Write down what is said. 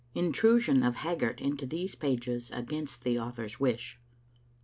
INTRUSION OF HAGGART INTO THESE PAGES AGAINST THB AUTHOR^S WISH.